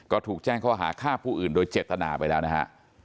ก็ถูกแจ้งข้อหาฆ่าผู้อื่นโดยเจตนาไปแล้วนะฮะ